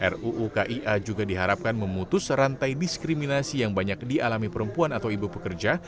ruu kia juga diharapkan memutus rantai diskriminasi yang banyak dialami perempuan atau ibu pekerja